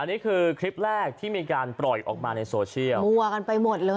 อันนี้คือคลิปแรกที่มีการปล่อยออกมาในโซเชียล